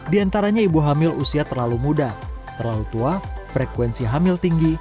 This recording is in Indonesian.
di antaranya ibu hamil usia terlalu muda terlalu tua frekuensi hamil tinggi